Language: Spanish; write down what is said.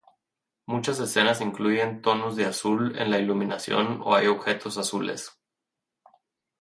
Muchas escenas incluyen tonos de azul en la iluminación o hay objetos azules.